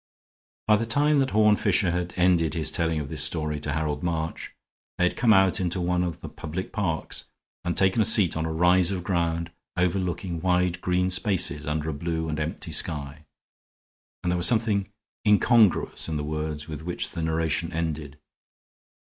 By the time that Horne Fisher had ended his telling of this story to Harold March they had come out into one of the public parks and taken a seat on a rise of ground overlooking wide green spaces under a blue and empty sky; and there was something incongruous in the words with which the narration ended.